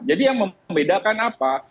jadi yang membedakan apa